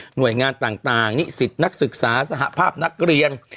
หน่วยงานต่างนิสิตนักศึกษาสหภาพนักเรียน